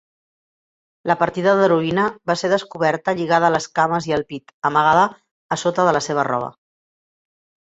La partida d'heroïna va ser descoberta lligada a les cames i al pit, amagada a sota de la seva roba.